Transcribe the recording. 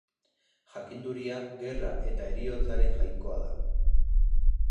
Jakinduria, gerra eta heriotzaren jainkoa da.